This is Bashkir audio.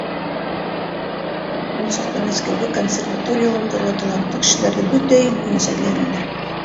Ул саҡта Мәскәүгә консерваторияла уҡырға талантлы кешеләрҙе бөтә ил буйынса эҙләнеләр.